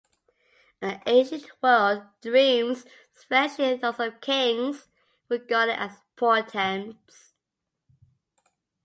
In the ancient world, dreams, especially those of kings, were regarded as portents.